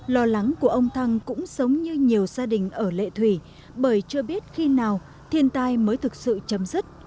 lo lắng của ông thăng cũng giống như nhiều gia đình ở lệ thủy bởi chưa biết khi nào thiên tai mới thực sự chấm dứt